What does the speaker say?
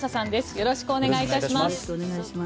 よろしくお願いします。